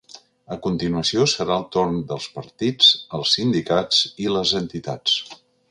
A continuació, serà el torn dels partits, els sindicats i les entitats.